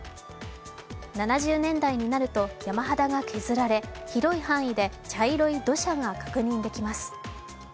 ７０年代になると山肌が削られ広い範囲で茶色い土砂が確認できます。